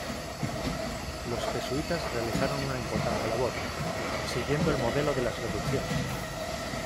Los jesuitas realizaron una importante labor, siguiendo el modelo de las reducciones.